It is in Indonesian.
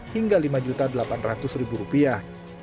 hingga lima delapan ratus rupiah